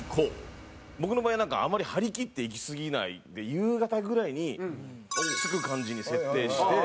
僕の場合はあまり張り切って行きすぎないで夕方ぐらいに着く感じに設定して。